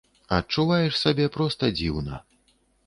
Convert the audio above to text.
Адчуваеш сабе проста дзіўна.